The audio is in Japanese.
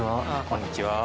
こんにちは。